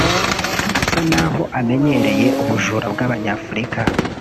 asa n’aho amenyereye ubujura bw’Abanyafurika